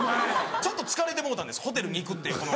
ちょっと疲れてもうたんですホテルに行くっていうこの。